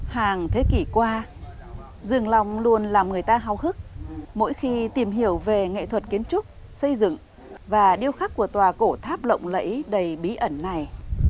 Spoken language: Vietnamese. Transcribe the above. hàng thế kỷ qua dương long luôn làm người ta hào hức mỗi khi tìm hiểu về nghệ thuật kiến trúc xây dựng và điêu khắc của tòa cổ tháp lộng lẫy đầy bí ẩn này